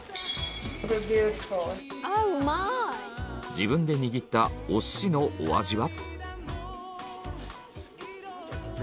自分で握ったお寿司のお味は？